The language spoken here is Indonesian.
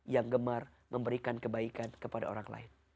yang gemar memberikan kebaikan kepada orang lain